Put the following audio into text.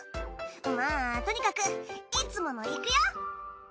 まあとにかくいつものいくよ！